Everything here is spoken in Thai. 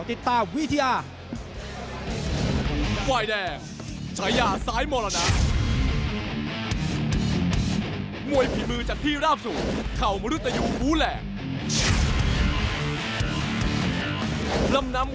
ติดตามวิทยา